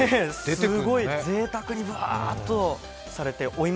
すごいぜいたくにブワーッとされて。